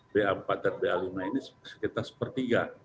b empat dan b lima ini sekitar sepertiga